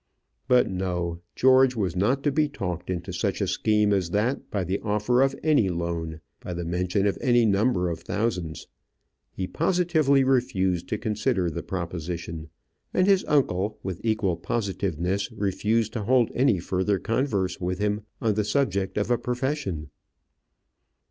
But, no! George was not to be talked into such a scheme as that by the offer of any loan, by the mention of any number of thousands. He positively refused to consider the proposition; and his uncle, with equal positiveness, refused to hold any further converse with him on the subject of a profession.